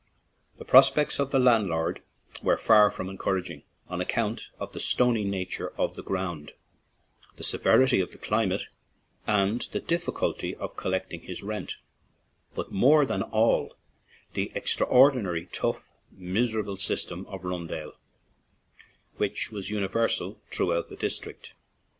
The prospects of the landlord were far from en couraging, on account of the stony nature of the ground, the severity of the climate, and the difficulty of collecting his rent; but, more than all, the extraordinary though miserable system of rundale, which was universal throughout the dis trict.